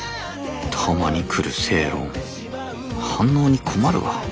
たまに来る正論反応に困るわ